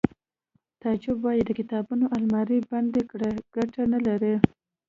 تعجب وایی د کتابونو المارۍ بندې کړئ ګټه نلري